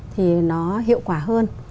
thì nó hiệu quả hơn